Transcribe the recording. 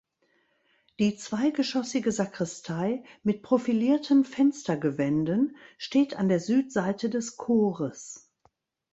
Die zweigeschoßige Sakristei mit profilierten Fenstergewänden steht an der Südseite des Chores.